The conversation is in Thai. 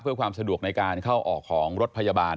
เพื่อความสะดวกในการเข้าออกของรถพยาบาล